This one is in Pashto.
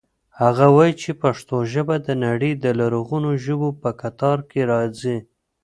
هغه وایي چې پښتو ژبه د نړۍ د لرغونو ژبو په کتار کې راځي.